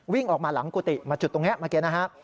วิ่งออกมาหลังกุฏิมาจุดตรงนี้เมื่อกี้นะฮะ